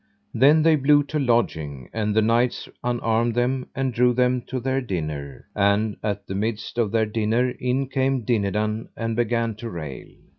Then they blew to lodging, and the knights unarmed them and drew them to their dinner; and at the midst of their dinner in came Dinadan and began to rail.